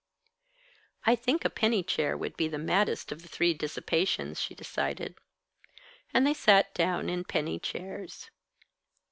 "I think a penny chair would be the maddest of the three dissipations," she decided. And they sat down in penny chairs.